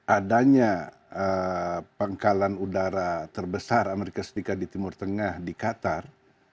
adanya pangkalan udara terbesar amerika serikat di timur tengah di qatar